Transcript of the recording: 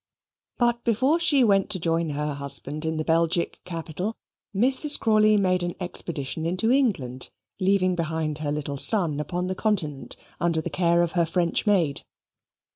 But before she went to join her husband in the Belgic capital, Mrs. Crawley made an expedition into England, leaving behind her her little son upon the continent, under the care of her French maid.